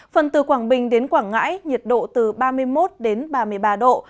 phần từ quảng bình đến quảng ngãi nhiệt độ từ ba mươi một đến ba mươi ba độ